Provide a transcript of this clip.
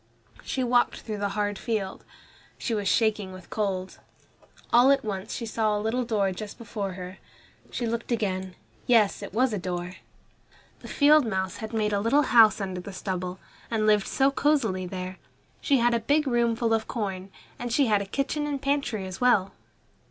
She walked through the hard field. She was shaking with cold. All at once she saw a little door just before her. She looked again yes, it was a door. The field mouse had made a little house under the stubble, and lived so cosily there. She had a big room full of corn, and she had a kitchen and pantry as well.